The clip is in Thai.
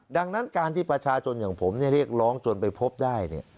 ดังนั้นการที่ประชาชนอย่างผมเรียกร้องจนไปพบได้